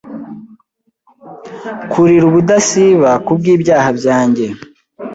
kurira ubudasiba kubwibyaha byanjye